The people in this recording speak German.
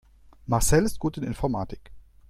Marcel ist gut in Informatik.